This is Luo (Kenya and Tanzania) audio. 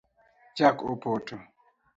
Chak opoto